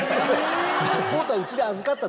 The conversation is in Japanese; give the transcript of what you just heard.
パスポートはうちで預かったって。